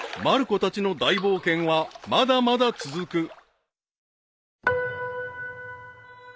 ［まる子たちの大冒険はまだまだ続く］